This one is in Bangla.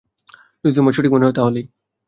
যদি তোমার সঠিক মনে হয়, তাহলেই।